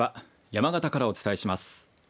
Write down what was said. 山形からお伝えします。